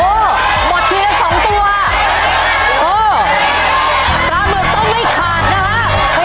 โอ้หมดทีละสองตัวโอ้ต้องไม่ขาดนะคะค่อยค่อยค่อย